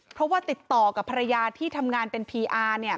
เพราะว่าติดต่อกับภรรยาที่ทำงานเป็นพีอาร์เนี่ย